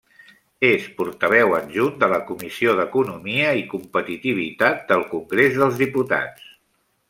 És portaveu adjunt de la Comissió d'Economia i Competitivitat del Congrés dels Diputats.